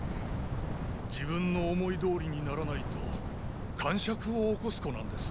自分の思い通りにならないと癇癪を起こす子なんです。